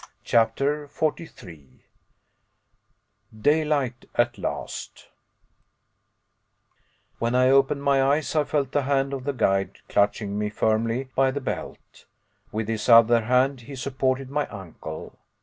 CHAPTER 43 DAYLIGHT AT LAST When I opened my eyes I felt the hand of the guide clutching me firmly by the belt. With his other hand he supported my uncle.